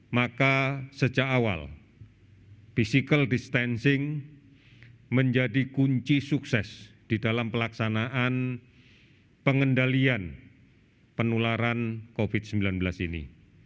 maka sejak awal physical distancing menjadi kunci sukses di dalam pelaksanaan pengendalian penularan covid sembilan belas ini